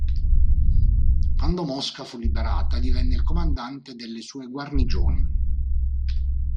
Quando Mosca fu liberata, divenne il comandante delle sue guarnigioni.